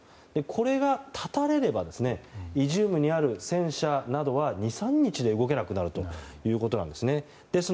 これが絶たれればイジュームにある戦車などは２３日で動けなくなるということです。